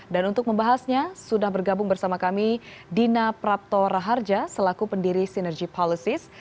dan untuk membahasnya sudah bergabung bersama kami dina prapto raharja selaku pendiri synergy policies